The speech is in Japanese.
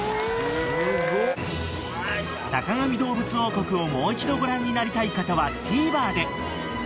［『坂上どうぶつ王国』をもう一度ご覧になりたい方はＴＶｅｒで］